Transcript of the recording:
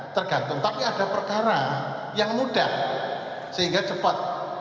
tergantung tapi ada perkara yang mudah sehingga cepat